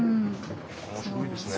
面白いですね。